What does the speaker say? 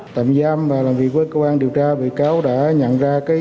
tạm giam và làm việc với cơ quan điều tra bị cáo đã nhận ra